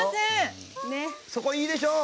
そこ、いいでしょう